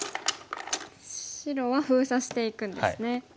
白は封鎖していくんですね。